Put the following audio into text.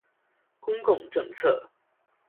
公共政策